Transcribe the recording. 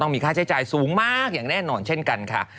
มีค่าใช้จ่ายสูงมากอย่างแน่นอนเช่นกันค่ะ